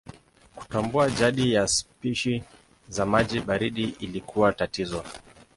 Kutambua jadi ya spishi za maji baridi ilikuwa tatizo.